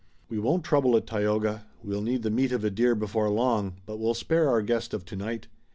"We won't trouble it, Tayoga. We'll need the meat of a deer before long, but we'll spare our guest of tonight."